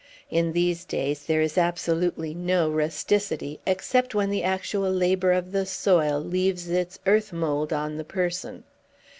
In these days, there is absolutely no rusticity, except when the actual labor of the soil leaves its earth mould on the person.